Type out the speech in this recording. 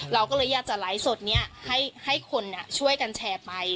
เราก็เลยอยากจะไลฟ์สดนี้ให้คนช่วยกันแชร์ไป